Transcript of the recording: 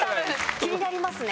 気になりますね！